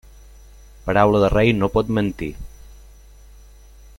Paraula de rei no pot mentir.